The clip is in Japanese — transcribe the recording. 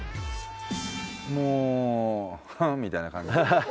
もうフンみたいな感じですね。